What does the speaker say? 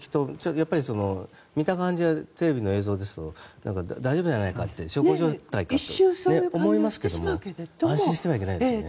やっぱり見た感じはテレビの映像ですと大丈夫じゃないかって小康状態かって思いますけど安心してはいけないですね。